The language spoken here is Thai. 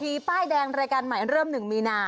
ป้ายแดงรายการใหม่เริ่ม๑มีนา